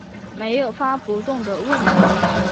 没有发不动的问题